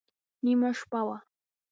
نیمه شپه وه.